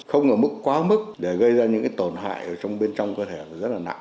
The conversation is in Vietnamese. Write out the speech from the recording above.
không ở mức quá mức để gây ra những tổn hại trong bên trong cơ thể rất là nặng